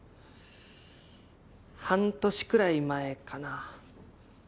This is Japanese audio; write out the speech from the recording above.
半年くらい前かな。